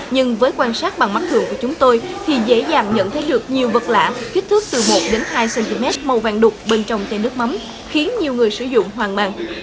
nhưng với quan sát bằng mắt thường của chúng tôi thì dễ dàng nhận thấy được nhiều vật lạ kích thước từ một đến hai cm màu vàng đục bên trong chai nước mắm khiến nhiều người sử dụng hoang mang